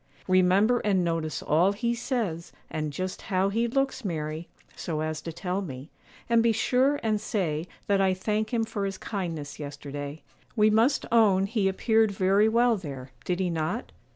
'Remember and notice all he says, and just how he looks, Mary, so as to tell me; and be sure and say that "I thank him for his kindness yesterday;" we must own he appeared very well there; did he not?